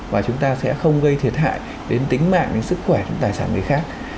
và chúng ta sẽ không gây thiệt hại đến tính mạng đến sức khỏe những tài sản người khác